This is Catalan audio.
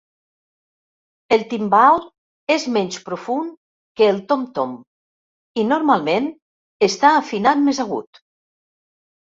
El timbal és menys profund que el tom-tom, i normalment està afinat més agut.